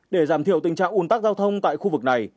để giảm thiểu tình trạng ủn tắc giao thông tại khu vực này